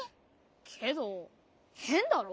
けどへんだろ？